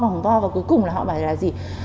vòng vòng và cuối cùng là họ bảo là gì